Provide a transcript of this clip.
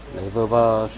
lấy vợ vợ